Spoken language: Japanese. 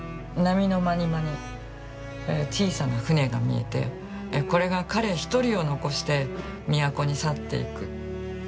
波のまにまに小さな船が見えてこれが彼一人を残して都に去っていく。